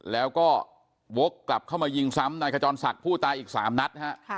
แล้วก็วกกลับเข้ามายิงซ้ำนายขจรศักดิ์ผู้ตายอีก๓นัดฮะ